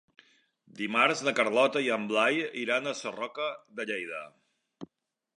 Dimarts na Carlota i en Blai iran a Sarroca de Lleida.